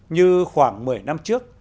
như khoảng một mươi năm trước